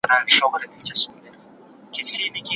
له ګودر څخه مي رنګ د رنجو واخیست